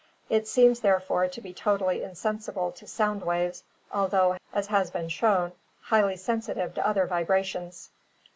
It seems therefore to be totally insensible to sound waves, although, as has been shown, highly sensitive to other vibrations.